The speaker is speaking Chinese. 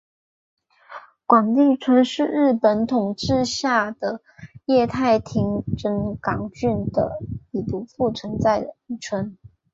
广地村是日本统治下的桦太厅真冈郡的已不存在的一村。